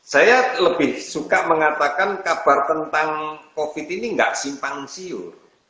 saya lebih suka mengatakan kabar tentang covid ini nggak simpang siur